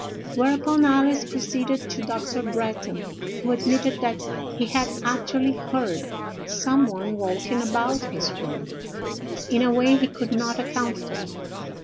Whereupon Alice proceeded to Dr. Bretton, who admitted that he had actually heard some one walking about his room, in a way he could not account for.